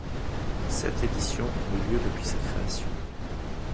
Sept éditions ont eu lieu depuis sa création.